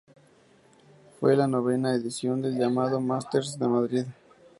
Fue la novena edición del llamado Masters de Madrid.